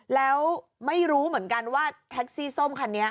แล้วไม่รู้เหมือนกันว่าแท็กซี่ส้มคันนี้